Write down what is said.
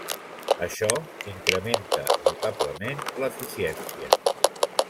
Això incrementa notablement l'eficiència.